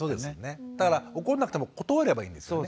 だから怒んなくても断ればいいんですよね。